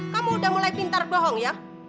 kamu udah mulai pintar bohong ya